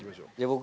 僕。